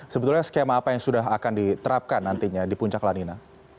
sebetulnya skema apa yang sudah akan diterapkan nantinya di puncak lanina